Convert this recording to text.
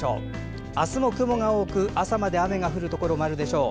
明日も雲が多く朝まで雨が降るところもあるでしょう。